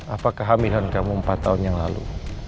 apa kehamilan kamu empat tahun yang lalu